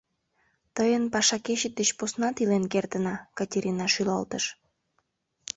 — Тыйын пашакечет деч поснат илен кертына, — Катерина шӱлалтыш.